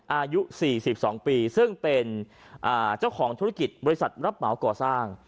อายุสี่สิบสองปีซึ่งเป็นอ่าเจ้าของธุรกิจบริษัทรัพย์เหมาก่อสร้าง